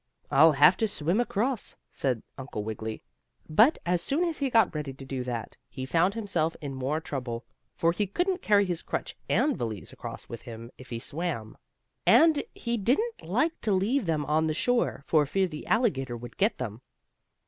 "I'll have to swim across," said Uncle Wiggily. But, as soon as he got ready to do that, he found himself in more trouble. For he couldn't carry his crutch and valise across with him if he swam, and he didn't like to leave them on the shore, for fear the alligator would get them.